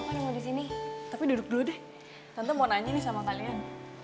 mendekatkan diri sama allah